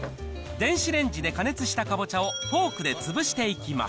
電子レンジで加熱したかぼちゃをフォークで潰していきます。